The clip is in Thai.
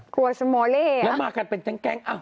กลัวสมเล่